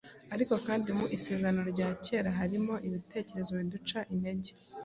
Ariko kandi mu Isezerano rya kera harimo ibitekerezo biduca intege :